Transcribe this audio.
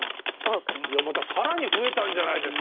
また更に増えたんじゃないですかね。